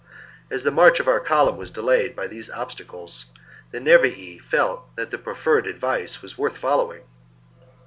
As the march of our column was delayed by these obstacles, the Nervii felt that the proffered advice was worth following.